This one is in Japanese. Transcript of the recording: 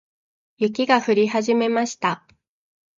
雪が降り始めました。